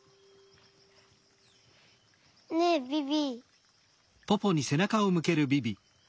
ねえビビ。